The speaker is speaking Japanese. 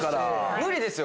無理ですよ